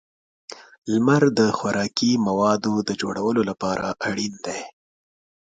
• لمر د خوراکي موادو د جوړولو لپاره اړین دی.